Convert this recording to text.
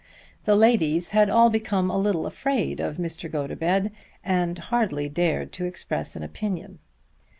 The ladies had all become a little afraid of Mr. Gotobed and hardly dared to express an opinion.